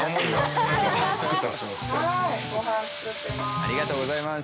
ありがとうございます。